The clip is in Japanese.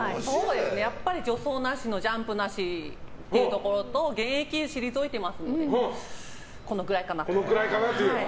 やっぱり助走なしのジャンプなしというところと現役を退いていますのでこのくらいかなと。